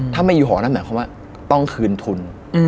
ถ้าไม่อยู่หอนั่นหมายความว่าต้องคืนทุน